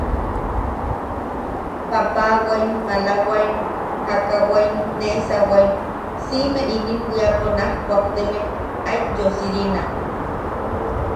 Papawaim, malawai, jakawai, neʼesawai, siʼime inim bwiapo naj kuakteme aet yosirina.